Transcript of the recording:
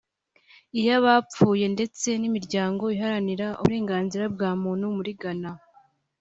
iy’abapfuye ndetse n’imiryango iharanira uburenganzira bwa muntu muri Ghana